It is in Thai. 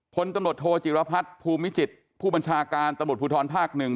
พลตำรวจโทจิรพัฒน์ภูมิจิตรผู้บัญชาการตำรวจภูทรภาคหนึ่ง